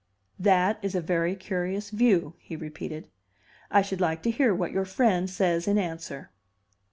"That is a very curious view," he repeated. "I should like to hear what your friend says in answer."